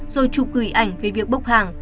rồi chụp gửi ảnh về việc bốc hàng